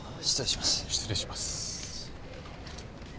失礼します。